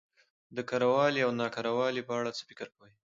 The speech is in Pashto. د کره والي او نا کره والي په اړه څه فکر کوؽ